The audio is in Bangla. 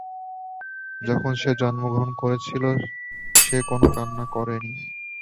যখন সে জন্মগ্রহণ করেছিলো, সে কোনো কান্না করেনি।